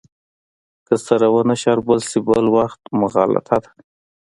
که سره ونه شاربل شي بل وخت مغالطه ده.